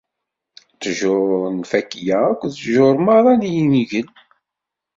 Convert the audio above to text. Ttjur n lfakya akked ttjur merra n yingel.